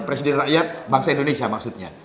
presiden rakyat bangsa indonesia maksudnya